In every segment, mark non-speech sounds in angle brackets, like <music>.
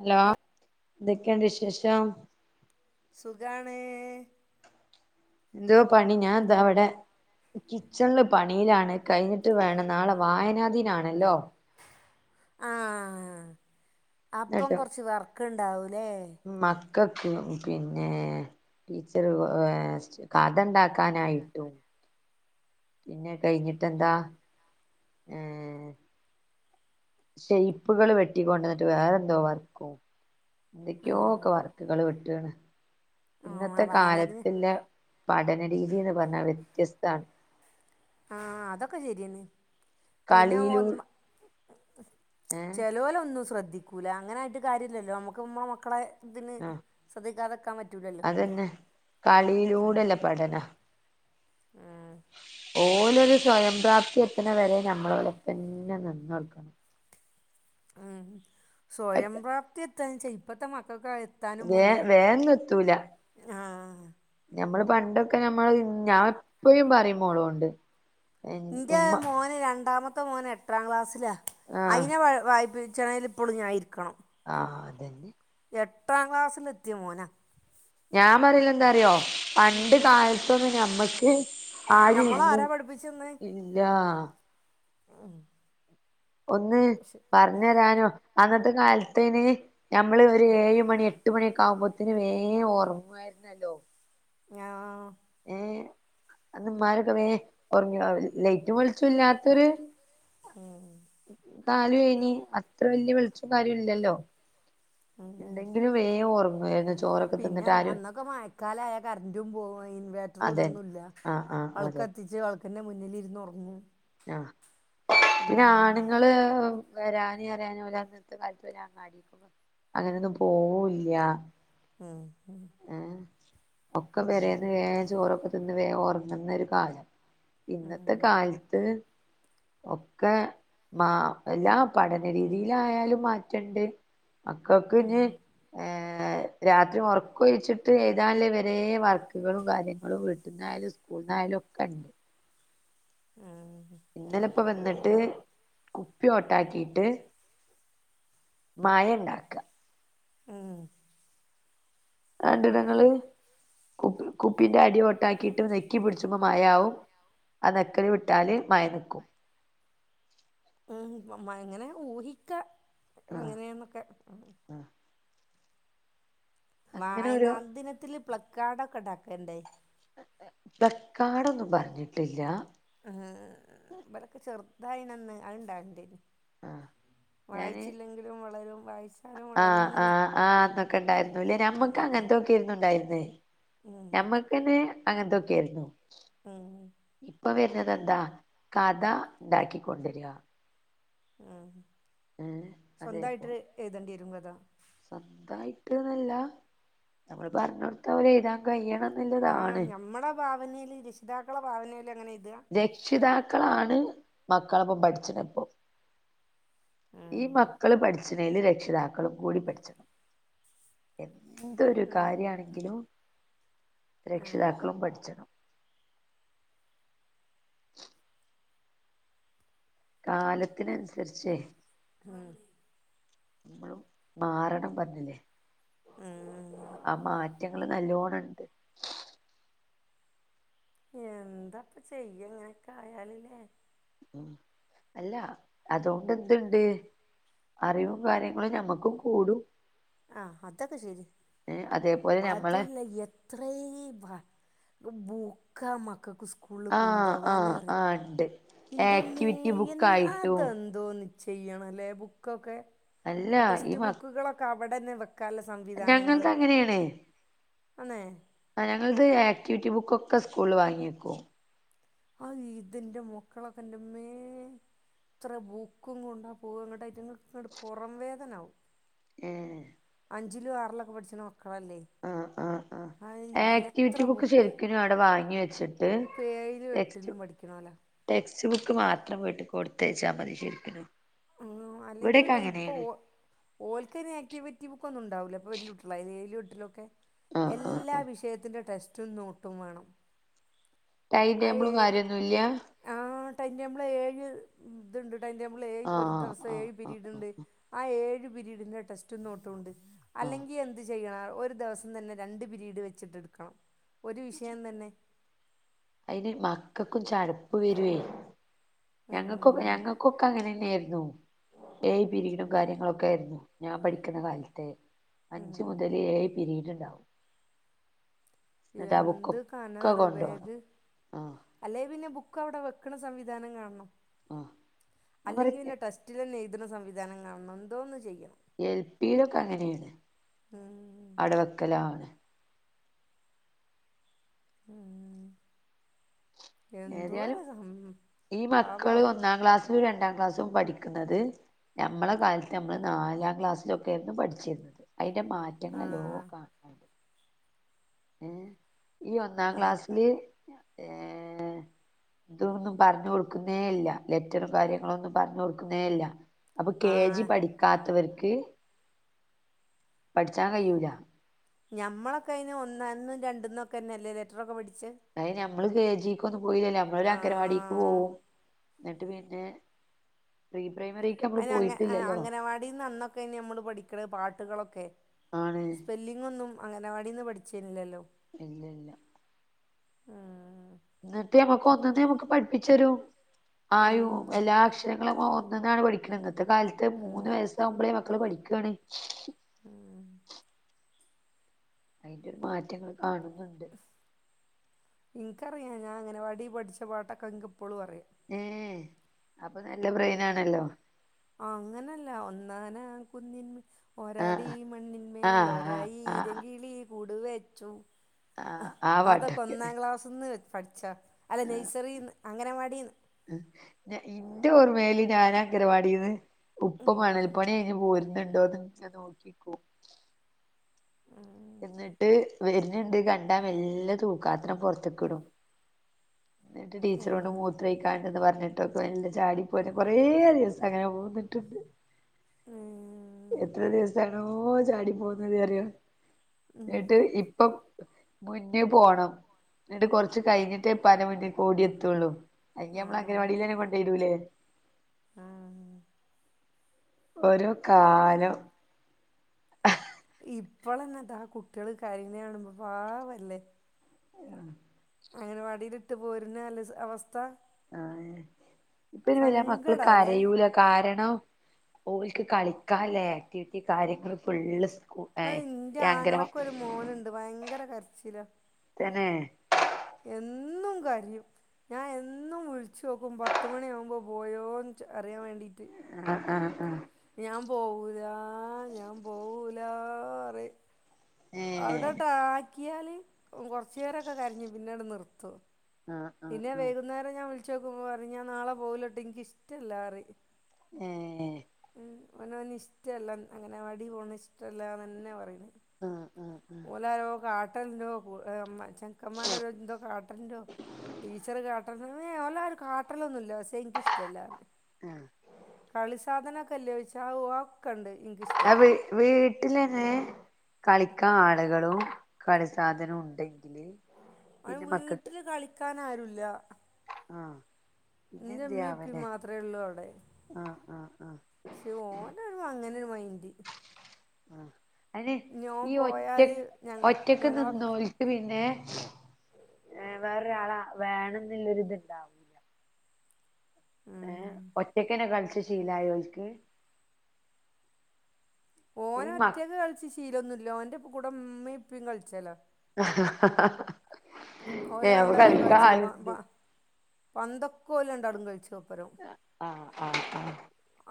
Hello ന്തെക്കെണ്ട് വിശേഷം സുഖാണ് എന്തോ പണി ഞാദാവടെ. കിച്ചണില് പണിയിലാണ് കഴിഞ്ഞിട്ട് വേണം. നാളെ വായനാദിനാണല്ലോ ആഹ അപ്പം കൊറച്ച് വർക്ക് ഉണ്ടാവൂലേ മക്കക്ക് പിന്നെ ടീച്ചറ് <inaudible> കഥണ്ടാക്കാനായിട്ടും പിന്നെ കഴിഞ്ഞിട്ടെന്താ ഏഹ ഷെയ്പ്പുകൾ വെട്ടി കൊണ്ടുവന്നിട്ട് വേറെന്തോ വർക്കും എന്തൊക്കെയോ ക്കെ ആഹ് വർക്കുകള് വിട്ട്ണ്. ഇന്നത്തെ ആഹ് വായനാദിന് കാലത്തി ലെ പഠനരീതിന്ന് പറഞ്ഞാൽ വ്യത്യസ്താണ് ആഹ അതൊക്കെ ശരിയണ് പിന്നെ കളിയിലൂ ഏ ചെലോലൊന്നും ശ്രദ്ധിക്കൂല അങ്ങനായിട്ട് കാര്യല്ലല്ലോ നമ്മുക്ക് മ്മളെ മക്കളെ ഇതിന് ആഹ് ശ്രദ്ധിക്കാതെക്കാൻ പറ്റൂലല്ലോ പെടല ഉം ഓലൊരു സ്വയംപ്രാപ്തി എത്തണവരെ നമ്മളോലപ്പന്നെ നിന്നൊട്ക്കണം. ഉം അതൊക്കെ സ്വയംപ്രാപ്തി എത്താന്ന്ച്ചാ ഇപ്പത്തെ മക്കക്കായ് ത്താനും വേ പണ്യാ വേഗൊന്നുംഎത്തൂല ആഹ ഞമ്മള് പണ്ടൊക്കെ നമ്മള് ഞാ ഇപ്പഴും പറിം മോളോണ്ട് ഇന്റെ ഉമ്മ മോന് രണ്ടാമത്തെ മോന് എട്ടാം ക്ലാസ്സില ആഹ് അയ്നെ വായ് വായ്പ്പിച്ചണെല് പ്പളും ഞാ ഇര്ക്കണം ആഹ അതന്നെ എട്ടാം ക്ലാസ്സിലെത്തിയ മോന ഞാ പറ്യലെന്താറ്യോ പണ്ട് കാൽത്തൊന്നും ഞമ്മക്ക് ആരുംര്ന്ന് ഞമ്മളാരാ ഇല്ലാ ആഹ ഒന്ന് പർഞ്ഞരാനോ അന്നത്തെ കാൽത്തയ്ന് ഞമ്മള് ഒരു ഏഴ് മണി എട്ട് മണിയക്കാവ്മ്പോത്തിന് വേം ഒർങ്ങുവാര്ന്നല്ലോ. ഞാഹ ഏഹ അന്ന്മ്മാരൊക്കെ വേ ഒർങ്ങ്യൊ ലൈറ്റും വെൾച്ചുംല്ലാത്തൊര് ഉം കാലുവേനി അത്ര വല്ല്യ വെൾച്ചും കാര്യും ഇല്ലല്ലോ ഉം ഉണ്ടങ്കിലും വേ ഒർങ്ങാര്ന്നു. പിന്നെ അന്ന് അന്നൊക്കെ മയക്കാലായാ കര്ന്റും പോവും ഇൻവേ <unintelligible> അതെ തൊന്നുല്ലാ ആഹ് ആഹ് അതെ വൾക്കത്തിച്ച് വൾക്ക്ന്റെ മുന്നിലിര്ന്ന് ഒർങ്ങും അഹ് പിന്നെ ആണ്ങ്ങള് വെരാന് അറ്യാന് ഓലങ്ങൻത്തെ കാൽത്തൊരങ്ങാടി അങ്ങെനെന്നും പോവുല്ല്യാ ആഹ് ഹാ ഏഹ് ഒക്കെ പെരേന്ന് വേം ചോറൊക്കെ തിന്ന് വേം ഒർങ്ങ്ന്നൊര് കാലം ഇന്നത്തെ ഉം. കാൽത്ത് ഒക്കെ മാ എല്ലാ പഠന രീതിയിലായാലും മാറ്റണ്ട് ഉം. മക്കക്ക്ഞ്ഞ് ഏഹ് രാത്രി ഒർക്കൊയ്ച്ച്ട്ട് എയ്താല്ലെ വെരേ വ ർക്ക്കളും കാര്യങ്ങളും വീട്ട്ന്നായാലും സ്കൂൾന്നായാലൊക്കെണ്ട്. ആഹ് ഹ ഇന്നെലെപ്പ വെന്ന്ട്ട് കുപ്പ്യോട്ടാക്കീട്ട് മയണ്ടാക്കാ ഊം അതണ്ട്ലെങ്ങെള് കുപ്പ് കുപ്പിന്റെ അടി ഒട്ടാക്കീട്ട് നെക്കി പിട്ച്ചുമ്പം മയാവും ആ നെക്കെല് വിട്ടാല് മയ നിക്കും. ഉം മമ ഇങ്ങെനെ ഊഹിക്കാ ആഹ് ഇതെങ്ങെനേന്നൊക്കെ ആഹ് അങ്ങനെ ഒരു വായനാ ദിനത്തില് പ്ലക്കാഡൊക്കെണ്ടാക്കെണ്ടെ പ്ലക്കാഡൊന്നും പർഞ്ഞ്ട്ട്ല്ലാ ആഹ് ബലൊക്കെ ചെർതായ്നന്ന് അത്ണ്ടാവെൽണ്ടേര്ന്ന് ആഹ് ഞാന് വളരും വായിച്ചാലും ആഹ് വളരുന്നില്ലേ ആഹ് ആഹ് അന്നൊക്കെണ്ടായ്ര്ന്നൂലെ ഉം ഉം ഞമ്മക്കങ്ങൻത്തൊ ക്കെര്ന്നുണ്ടായ്ര്ന്നേ ഉം ഞമ്മക്കെന്നേ അങ്ങൻത്തൊക്കേര്ന്നു ഉം ഉം ഇപ്പ വെര്നെതെന്താ കഥ ണ്ടാക്കി കൊണ്ടെരാ ഉം ഏഹ് സ്വന്തായ്ട്ട് എയ്തെണ്ട്യേരും കഥാ സ്വന്തായ്ട്ട്ന്നെല്ലാ നമ്മള് പർഞ്ഞൊട്ത്ത പോലെ എയ്താം കയ്യെണം ആഹ് ഞമ്മളെ ഭാവനേല് രഷിതാക്കളെ ഭാവനേല് അങ്ങെനെയ്താ രക്ഷിതാക്കളാണ് മക്കളെപ്പം പഠ്ച്ച്ണെപ്പെം ഈ ഉം മക്കള് പഠ്ച്ച്ണേല് രക്ഷിതാക്കളും കൂടി പഠ്ച്ചെണം എന്തൊരു ഉം കാര്യാണെങ്കിലും ആഹ് രക്ഷിതാക്കളും പഠ്ച്ചെണം കാലത്ത്നൻസര്ച്ചേ ഉം മ്മളും മാറണം പർഞ്ഞ്ല്ലേ ആഹ് ആ മാറ്റങ്ങെള് നല്ലോണണ്ട് എന്താപ്പ ചെയ്യാ ഇങ്ങെനൊക്കെ ആയാല് ലേ ഉം അല്ല അത്കൊണ്ട് എന്ത്‌ണ്ട് അറിവും കാര്യങ്ങെളും ഞമ്മെക്കും കൂടും ആഹ് അതൊക്കെ ശര്യാ ഏ അതേപോലെ അതും ഞമ്മളെ അല്ല എ ത്രേം വാ ബൂക്കാ മക്കക്ക് സ് സ്കൂൾല് ആഹ് കുണ്ടവാന് ആഹ് അറ്യോ ആഹ് ഇണ്ട് ഇന്റെമ്മേ ആക്ടിവിറ്റി എൻ ബുക്കായിട്ടും അതെ ന്തോന്ന് ചെയ്യണലേ ബുക്കൊക്കെ അല്ല ഈ ടെസ്റ്റ് മ ബുക്ക്കളൊക്കെ അവെടെന്നെ വെ ക്കാല്ലെ ഞങ്ങൾത് സംവിധാനങ്ങെള് അന്നേ ആഹ് ഞങ്ങൾത് ആക്ടിവിറ്റി ബുക്കൊക്കെ സ്കൂളിൽ വാങ്ങി വെക്കും അഹ് ഇതന്റെ മക്കളൊക്കെ ഇന്റെമ്മേ എത്ര ബൂക്കും കൊണ്ടാ പോവ ഇങ്ങെട്ട് അയിറ്റങ്ങക്ക് ഇങ്ങട്ട് പൊറം വേദനാവും ഏഹേ അഞ്ചിലും, ആറിലൊക്കെ പഠിച്ച്ണ മക്കളല്ലേ? ആഹ് ആഹ് ആഹ് ആ എത്ര ആക്ടിവിറ്റി ബുക് ബുക്ക് ശരിക്കിനും അവിടെ വാങ്ങി വെച്ചിട്ട് ഇപ്പം ഏഴിലും ടെക്സ്റ്റ് ബു എട്ടിലും പഠിക്കണോലാ ടെക്സ്റ്റ് ബുക്ക് മാത്രം വീട്ടിക്ക് കൊടുത്തയച്ചാ മതി ശരിക്ക്നും ആഹ് അല്ലെങ്കിലുട്ടോ ഇപ്പൊ ഒ ഓൽക്കയിന് ആക്ടിവിറ്റി ബുക്കൊന്നും ഇണ്ടാവൂല്ല ഇപ്പ വല്ല്യ കുട്ടിയളായിലെ ഏഴിലും എട്ടിലൊക്കെ ആഹ് ആഹ് എല്ലാ ആഹ് വിഷയത്തിന്റെ ടെക്സ്റ്റും നോട്ടും വേണം ടൈം ടേബിളും കാര്യൊന്നും ഇല്ല? ആഹ് ടൈം ടേബിള് ഏഴ് ഇതുണ്ട് ടൈം ടേബിൾ ഏഴ് ഒരു ആഹ് ദിവസം ആഹ് ഏഴ് ആഹ് ആഹ് പിരീഡ്ണ്ട് ആഹ് ഏഴ് പിരീഡിന്റെ ടെക്സ്റ്റും നോട്ടുംണ്ട് ആഹ് അല്ലെങ്കി എ ന്ത് ചെയ്യണം ഒരു ദിവസം തന്നെ രണ്ട് പിരീഡ് വെച്ചിട്ട് ഇട്ക്കണം ഒരു വിഷയം തന്നെ അയിന് മക്കക്കും ചടുപ്പ് വരുവേ ഞങ്ങക്കും ഉം ഞങ്ങ ക്കൊക്കെ അങ്ങനന്നെ ആയിരുന്നു ഏഴ് ഉം പിരിഡും കാര്യങ്ങളൊക്കെ ആയിരുന്നു ഞാൻ പഠിക്കുന്ന കാലത്തെ അഞ്ച് ഉം മുതല് ഏഴ് പിരീഡ് ഇണ്ടാവും എന്ത് കനാറിയോ ബാഗ്? ആഹ് അല്ലെ പിന്നെ ബുക്ക് അവിടെ വെക്ക്ണ സംവിധാനം കാണണം ആഹ് ഞാൻ അല്ലെങ്കി പറയ പിന്നെ ടെസ്റ്റിലന്നെ എഴത്ണ സംവിധാനം കാണണം എന്തോന്ന് ചെയ്യണം എ. ൽ. പിയിലൊക്കെ അങ്ങനാണ് ഉം അവിടെ വെക്കലാണ് ഉം ഏതായാലും എന്തോര്ത് ഈ മക്കള് പാവാവും ഒന്നാം ക്ലാസ്സിലും രണ്ടാം ക്ലാസ്സും പഠിക്ക്ണത് ഞമ്മളെ കാലത്ത് നമ്മള് നാലാം ക്ലാസ്സിലൊക്കെ ആയിരുന്നു പഠിച്ചിരുന്നത് അയിന്റെ മാറ്റങ്ങൾ നല്ലോം ആഹ് കാണ് ഏഹ് ഈ ഒന്നാം ഉം ക്ലാസില് ഏഹേ ഇതൊന്നും പറഞ്ഞ് കൊടുക്കുന്നേ ഇല്ല ലെറ്ററും കാര്യങ്ങളൊന്നും പറഞ് കൊടുക്കുന്നേ ഇല്ല അപ്പൊ കെ ജി ആഹ് പഠിക്കാത്തവർക്ക് പഠിച്ചാൻ കഴിയൂല ഞമ്മളൊക്കെ അയിന് ഒന്നിന്നും രണ്ട്ന്നൊക്കെ തന്നെ അല്ലേ ലെറ്ററൊക്കെ പിഠിച്ചെ? അയിന് ഞമ്മള് കെജിക്കൊന്നും പോയില്ലല്ലേ നമ്മള് ഒരു അംഗൻവാടിക്ക് ആഹ് പോവും ഇന്നെട്ട് പിന്നെ പ്രീ പ്രൈമറി അയിന് അംഗ അംഗനവാടീന്ന് അന്നൊക്കെ നമ്മള് പഠിക്ക്ണത് പാട്ടുകളൊക്കെ ആണ് സ്പെല്ലിംഗൊന്നും അംഗനവാടീന്ന് പഠിച്ചേല്ലല്ലോ? ഇല്ല ഇല്ല ഇല്ല ഉം ഇന്നെട്ട് ഞ്ഞമ്മക്ക് ഒന്നിന്ന് നമ്മക്ക് പഠിപ്പിച്ച് തരും ഉം ആയും എല്ലാ അക്ഷ രങ്ങളും നമ്മള് ഒന്ന്ന്നാണ് പഠിക്കുന്നത് ഇന്നത്തെ കാലത്ത് ഉം മൂന്ന് വയസ്സാകുമ്പളേ മക്കള് പഠിക്കാണ്. ഉം അയിന്റൊരു മാറ്റങ്ങള് കാണുന്നുണ്ട്. ഇൻക്കറിയാ ഞാൻ അംഗനവാടി പഠിച്ച പാട്ടൊക്കെ ഇൻക്ക് ഇപ്പളും അറിയാ ഏഹേ അപ്പൊ നല്ല ബ്രെയിനാണല്ലോ? അങ്ങനല്ല ഒന്നാനാം കുന്നിന്മേൽ ആ ഓരാടീ ആ മണ്ണിന്മേൽ ആ ഓരായീ ആ പൈങ്കിളി കൂടു വെച്ചു ആ ആ അതൊക്കെ പാട്ടൊക്കെ ഒന്നാം ക്ലാസ് ന്ന് പഠിച്ച അല്ല ആ നെയ്സറീന്ന് അംഗനവാടീന്ന്. ഇന്റെ ഓർമേല് ഞാന് അങ്കണവാടീന്ന്. ഉം ഉപ്പ മണൽ പണി കഴിഞ്ഞ് പോരുന്നുണ്ടോന്ന് ഇങ്ങനെ നോക്കിക്കും. ഉം എന്നിട്ട് വര്ന്ണ്ട് കണ്ടാ മെല്ല തൂക്ക്‌ പാത്രം പൊർത്ത്ക്ക് ഇടും. എന്നിട്ട് ടീച്ചറോട് ആഹ് മൂത്രയ്ക്കാണ്ടന്ന് പറഞ്ഞിട്ടൊക്കെ മെല്ലെ ചാടി പോരും കൊറേ ദിവസം അങ്ങനെ പോന്നിട്ടുണ്ട്. ഉം എത്ര ദിവസാണോ ചാടി പോന്നത് അറിയോ. എന്നട്ട് ഇപ്പം മുന്ന് പോണം ന്നട്ട് കൊർച്ച് കഴിഞ്ഞിട്ടെ. പ്പാന്റെ മുന്ന്ക്കോടി എത്തുള്ളു അല്ലേ നമ്മളെ ആഹ് അഗനവാടീൽ തന്നെ കൊണ്ടേയ് ഇടൂലേ. ആഹ് ഓരോ കാലം. ഇപ്പളെന്നെ താ കുട്ടികള് കരയ്ണത് കാണുമ്പോ പാവല്ലേ. ആഹ് അങ്ങനവാടീൽ ഇട്ട് പോരുന്ന അല്ല അവസ്ഥ. ഇപ്പൊ പിന്നെ വല്ലാ മക്കള് സങ്കടാല്ലേ കരയൂല. കാരണം ഓൽക്ക് കളിക്കാള്ളെ ആക്ടിവിറ്റി കാര്യങ്ങൾ ഫുള്ള്. സ്കൂ അഹ് ഏഹ് ഇന്റെ ഈ അംഗനവാടി ആങ്ങളൊക്കൊരു മോനുണ്ട് ഭയങ്കര കരച്ചില. തെന്നേ. എന്നും കരയും. ഞാൻ എന്നും വിളിച്ച് നോക്കും പത്ത് മണിയാവുമ്പോൾ പോയോന്ന് അറിയാൻ വേണ്ടിട്ട്. ആഹ് ആഹ് ആഹ്. ഞാൻ പോവൂലാ ഞാൻ പോവൂലാ പറയും. ഏഹ് അവിടണ്ട് ആക്കിയാല് കൊർച്ചേരൊക്കെ കരഞ് പിന്നെ അണ് നിർത്തും ആഹ് ആഹ് പിന്നെ ആഹ് വൈകുന്നേരം ഞാൻ വിളിച്ച് നോക്കുമ്പോൾ പറയും ഞാൻ നാളെ പോവൂലട്ടോ ഇൻക്ക് ഇഷ്ടല്ലാറിം ഏഹ് ഉം ഓന് ഓന് ഇഷ്ടല്ല അഗനവാടി പോണ ഇഷ്ടല്ലാന്നന്നെ പറയ്ണത് ആഹ്. ആഹ് ആഹ് <unintelligible> കാട്ടല്ണ്ടൊ <unintelligible> ചെക്കന്മാർ ഒക്കെ എന്തോ കാട്ടൽണ്ടൊ ടീച്ചർ കാ <unintelligible> ഓലാരും കാട്ടലൊന്നുല്ല പക്ഷേ ഇൻക്കിഷ്ടല്ലാ ആഹ് കളി സാധനൊക്കെ ഇല്ലേ ചോയ്ച്ചാ അത് അതൊക്കെണ്ട്. ആ വീ വീട്ടിലന്നെ കളിക്കാ ആളുകളും. കളി സാധനോം ഇണ്ടെങ്കില് അവന് വീട്ടില് കളിക്കാനാരൂല്ല. ആഹ് പിന്നെ ഉമ്മയും ഉപ്പയും എന്ത്യാവലേ മാത്രമേ ആഹ് ആഹ് ആഹ്. പക്ഷെ ഓന് അങ്ങനെരു മൈന്റ്. ആഹ് അയിന് ഓൻ ഈ പോയാൽ ഒറ്റക്ക്‌ ഞങ്ങ ഒറ്റക്ക് ഞങ്ങളൊക്കെ നിന്നോൽ. ക്ക്‌ പിന്നെ വേറൊരാളെ വേണം എന്നള്ളൊരിത്ണ്ടാവും ഉം. ഏഹ് ഒറ്റക്കന്നെ കളിച്ച് ശീലായോൽക്ക് ഈ ഓന് മ ഒറ്റക്ക് കളിച്ച് ശീലന്നുല്ല ഓന്റെ കൂടെ ഉമ്മെ ഇപ്പെം കളിച്ചലാ ഓല് ഏഹ് അപ്പ രണ്ടാളും കളിക്കാൻ ആള്ണ്ട് കളിച്ചല് പന്തൊക്കെ ഓല് രണ്ടാളും കളിച്ചും ഒപ്പരം ആഹ് ആഹ് ആഹ്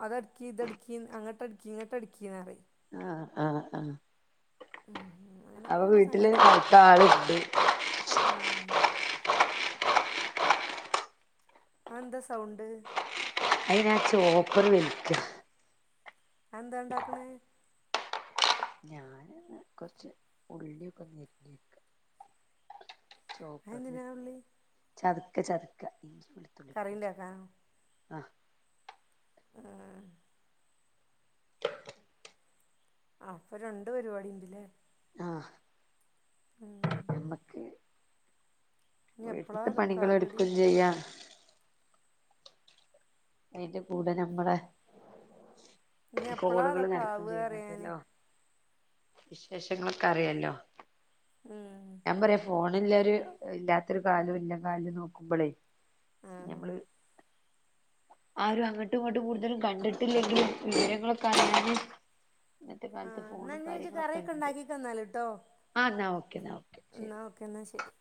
അത് അടിക്കി ഇതടിക്കിന്ന് അങ്ങട്ട് അടിക്കി ഇങ്ങട്ട് അടിക്കിന്ന് പറയും ആഹ് ആഹ് ആഹ് ഉം അപ്പ അങ്ങനൊക്കെയാണ് വീട്ടില് കളിക്കാൻ ആളുണ്ട് ഊം അതെന്താ സൗണ്ട് അതിനാ ചോപ്പറ് വലിക്ക അതെന്താ ഉണ്ടാക്കണ് ഞാന് കൊറച്ച് ഉള്ളിയൊക്കെ അരിഞ്ഞെക്ക ചോപ്പറ അതെന്തിനാ വിളി ചതക്ക ചതക്ക ഇ കറി വെളുത്തുള്ളിയൊക്കെ ഉണ്ടാക്കാനോ ആഹ് മ്മ് അപ്പ രണ്ട് പരിപാടി ഉണ്ട്ല്ലേ ആഹ് ഉം നമ്മക്ക് ഇനി എപ്പളാ വീട്ടിത്തെ അതൊക്കെ ആവടി പണികളെടുക്കും ചെയ്യാ അതിന്റെ കൂടെ നമ്മടെ ഇനി എപ്പളാ കോളുകൾ അതൊക്കെ നരക്കും ആവുക പറയാ ഞാന് ചെയ്യുന്നട്ടല്ലോ വിശേഷങ്ങളൊക്കെ അറിയല്ലോ മ് ഞാൻ പറയാ ഫോണില്ലരു ഇല്ലാത്തൊരു കാലും ഇല്ല കാലും നോക്കുമ്പോളേ ആ ഞമ്മള് ആരും അങ്ങട്ടും ഇങ്ങട്ടും കൂടുതലും കണ്ടിട്ടില്ലെങ്കിൽ വിവരങ്ങളൊക്കെ അറിയാന് ഇന്നത്തെ ആ കാലത്ത് എന്നാ ഫോണും ഇനി ഇജ്ജ് കാര്യങ്ങളൊക്കെ കറിയൊക്കെ ഉണ്ട് ഉണ്ടാക്കിക്കന്നാല് ട്ടോ ആഹ എന്നാൽ ഓക്കെ എന്നാൽ ഓക്കെ ശരി എന്നാൽ ശരി